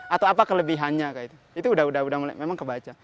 atau apa kelebihannya itu udah mulai memang kebaca